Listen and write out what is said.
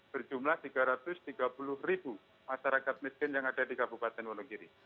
berjumlah tiga ratus tiga puluh ribu masyarakat miskin yang ada di kabupaten wonogiri